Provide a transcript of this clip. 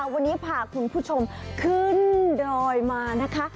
วันนี้พาคุณผู้ชมขึ้นดอยมานะคะ